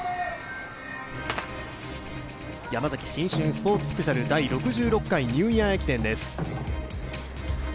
ヤマザキ新春スポーツスペシャル第６６回ニューイヤー駅伝です。